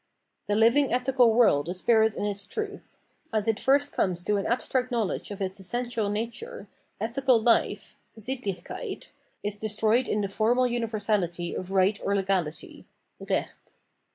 The living ethical world is spirit in its truth. As it first comes to an abstract knowledge of its essential nature, ethical hfe (Sittlichkeit) is destroyed in the formal universality of right or legality (Recht).